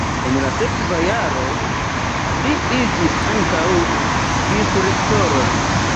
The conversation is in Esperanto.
En la sekva jaro li iĝis ankaŭ vicrektoro.